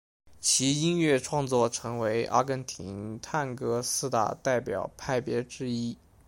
其音乐创作成为阿根廷探戈四大代表派别之一。